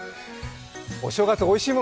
お正月、おいしいもの